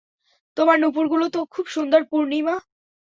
তোমার নূপুরগুলো তো খুব সুন্দর, পূর্ণিমা।